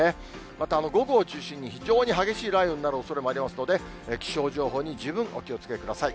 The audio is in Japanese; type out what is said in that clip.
また午後を中心に非常に激しい雷雨になるおそれもありますので、気象情報に十分お気をつけください。